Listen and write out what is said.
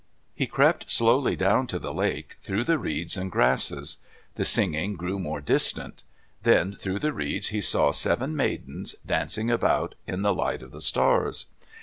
He crept slowly down to the lake, through the reeds and grasses. The singing grew more distant. Then through the reeds he saw seven maidens, dancing about in the light of the stars.